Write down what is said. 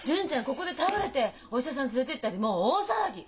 ここで倒れてお医者さん連れてったりもう大騒ぎ！